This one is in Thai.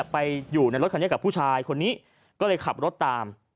ไปอยู่ในรถคันนี้กับผู้ชายคนนี้ก็เลยขับรถตาม